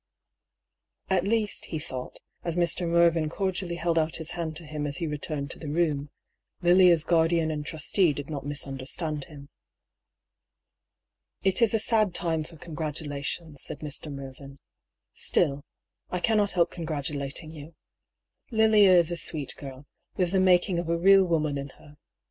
At least, he thought, as Mr. Mervyn cordially held out his hand to him as he returned to the room, Lilia's guardiah and trustee did not misunderstand him. ^'It is a sad time for congratulations," said Mr. Mervyn; "still, I cannot help congratulating you. Lilia is a sweet girl, with the making of a real woman in her.